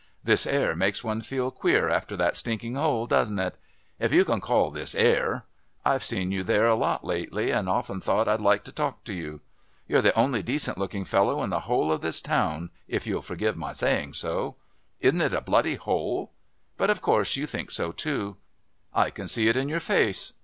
This air makes one feel queer after that stinking hole, doesn't it? If you can call this air. I've seen you there a lot lately and often thought I'd like to talk to you. You're the only decent looking fellow in the whole of this town, if you'll forgive my saying so. Isn't it a bloody hole? But of course you think so too. I can see it in your face.